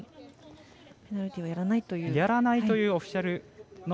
ペナルティーはやらないという。